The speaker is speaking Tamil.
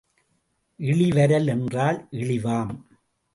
இளிவரல் என்றால் இழிவாம்.